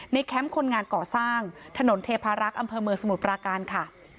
แคมป์คนงานก่อสร้างถนนเทพารักษ์อำเภอเมืองสมุทรปราการค่ะ